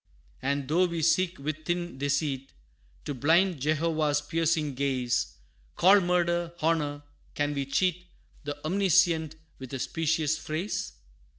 And though we seek with thin deceit, To blind Jehovah's piercing gaze, Call murder, honor, can we cheat The Omniscient with a specious phrase?